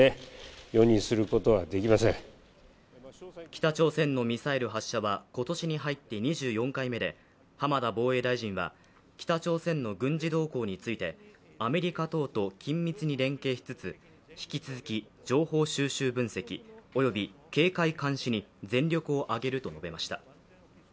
北朝鮮のミサイル発射は今年に入って２４回目で浜田防衛大臣は、北朝鮮の軍事動向についてアメリカ等と緊密に連携しつつ引き続き情報収集分析、及び警戒監視に全力を挙げると述べました。